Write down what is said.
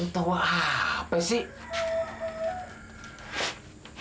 tau apa sih